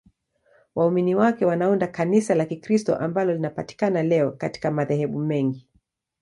Waumini wake wanaunda Kanisa la Kikristo ambalo linapatikana leo katika madhehebu mengi.